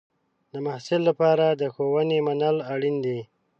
د محصل لپاره د ښوونې منل اړین دی.